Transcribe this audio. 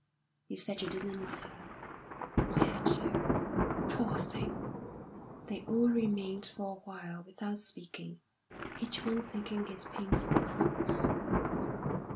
"You said you didn't love her?" "I had to." "Poor thing!" They all remained for a while without speaking, each one thinking his painful thoughts.